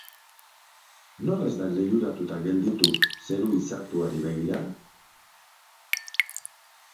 Nor ez da liluratuta gelditu zeru izartuari begira?